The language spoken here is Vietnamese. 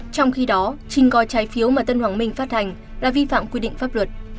trong khi đó trình coi trái phiếu mà tân hoàng minh phát hành là vi phạm quy định pháp luật